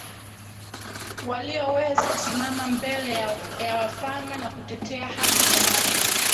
walioweza kusimama mbele ya wafalme na kutetea haki za watu